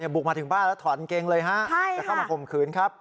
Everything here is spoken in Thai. บุกมาถึงบ้านแล้วถอนกางเกงเลยฮะจะเข้ามาข่มขืนครับ